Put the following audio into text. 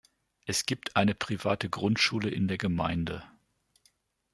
Es gibt eine private Grundschule in der Gemeinde.